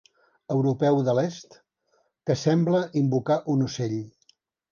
Europeu de l'est que sembla invocar un ocell.